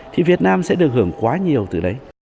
thì việt nam sẽ được hưởng quá nhiều từ đấy